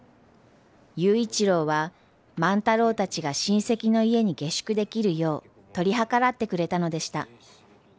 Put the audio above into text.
佑一郎は万太郎たちが親戚の家に下宿できるよう取り計らってくれたのでした。